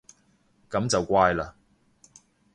噉就乖嘞